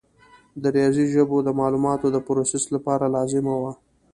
د ریاضي ژبه د معلوماتو د پروسس لپاره لازمه وه.